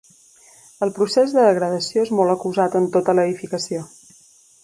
El procés de degradació és molt acusat en tota l'edificació.